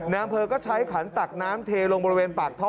อำเภอก็ใช้ขันตักน้ำเทลงบริเวณปากท่อ